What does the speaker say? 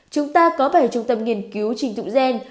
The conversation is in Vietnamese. chúng ta có bảy trung tâm nghiên cứu trình thụng gen